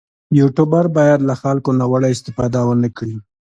یوټوبر باید له خلکو ناوړه استفاده ونه کړي.